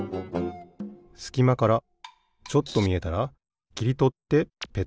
すきまからちょっとみえたらきりとってペタン。